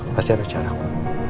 pasti ada caraku